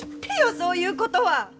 そういうことは！